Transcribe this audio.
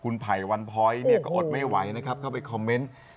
คุณไพวันไพรม์เนี้ยก็อดไม่ไหวนะครับเข้าไปคอมเม้นต์เพยอบว่ะ